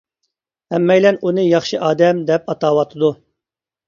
ھەممەيلەن ئۇنى ياخشى ئادەم دەپ ئاتاۋاتىدۇ.